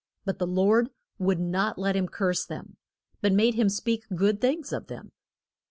But the Lord would not let him curse them, but made him speak good things of them.